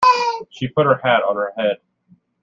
She put her hat on her head.